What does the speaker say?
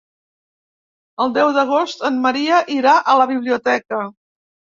El deu d'agost en Maria irà a la biblioteca.